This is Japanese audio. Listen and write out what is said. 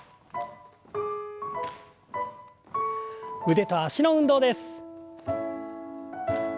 腕と脚の運動です。